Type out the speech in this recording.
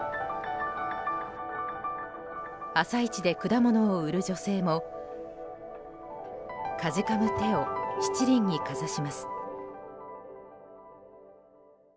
朝市で果物を売る女性もかじかむ手を七輪にかざします。